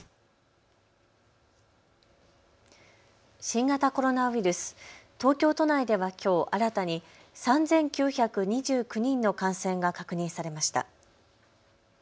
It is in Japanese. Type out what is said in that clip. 新型コロナウイルス、東京都内ではきょう新たに３９２９人の感染が確認されました。